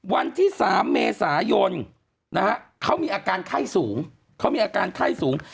วันที่๓เมษายนนะฮะเขามีอาการไข้สูง